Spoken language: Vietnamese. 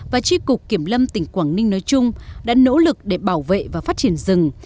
và tri cục kiểm lâm tỉnh quảng ninh nói chung đã nỗ lực để bảo vệ và phát triển rừng